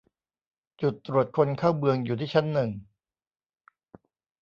จุดตรวจคนเข้าเมืองอยู่ที่ชั้นหนึ่ง